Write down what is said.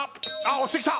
押してきた！